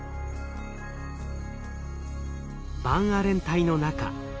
バンアレン帯の中。